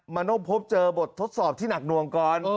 มันต้องพบเจอบททดสอบที่หนักหน่วงก่อน